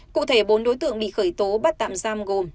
cụ thể bốn đối tượng bị khởi tố bắt tạm giam gồm